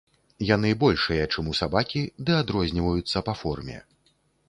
Яны большыя, чым у сабакі, ды адрозніваюцца па форме.